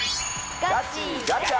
ガチガチャ！